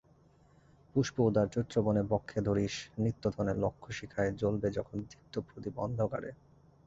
পুষ্প-উদার চৈত্রবনে বক্ষে ধরিস নিত্যধনে লক্ষ শিখায় জ্বলবে যখন দীপ্ত প্রদীপ অন্ধকারে।